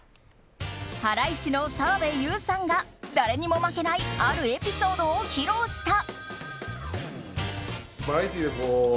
ハライチの澤部佑さんが誰にも負けないあるエピソードを披露した。